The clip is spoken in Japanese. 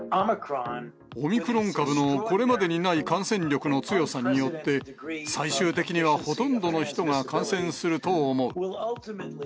オミクロン株のこれまでにない感染力の強さによって、最終的にはほとんどの人が感染すると思う。